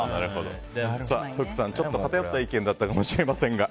福さん、ちょっと偏った意見だったかもしれませんが。